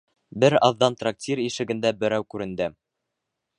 Бер аҙҙан трактир ишегендә берәү күренде: